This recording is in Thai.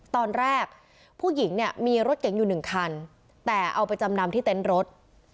ตอนแรกผู้หญิงเนี่ยมีรถเก๋งอยู่หนึ่งคันแต่เอาไปจำนำที่เต็นต์รถ